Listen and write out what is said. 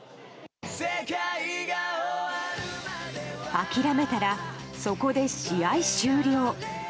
諦めたらそこで試合終了。